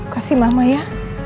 kasih mama ya